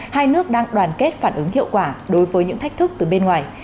hai nước đang đoàn kết phản ứng hiệu quả đối với những thách thức từ bên ngoài